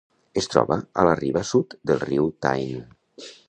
Es troba a la riba sud del riu Tyne.